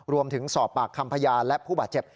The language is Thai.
รวมถึงสอบปากคำพยานและผู้บาดเจ็บ